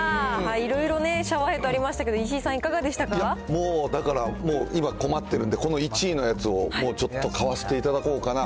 いろいろね、シャワーヘッドありましたけど、石井さん、いかがでだから今、困ってるんで、この１位のやつをちょっと買わせていただこうかな。